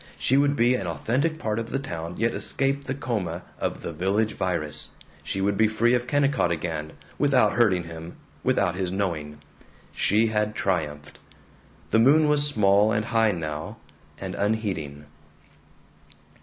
She would be an authentic part of the town, yet escape the coma of the Village Virus. ... She would be free of Kennicott again, without hurting him, without his knowing. She had triumphed. The moon was small and high now, and unheeding.